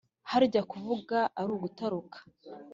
”harya ko kuvuga ari ugutaruka,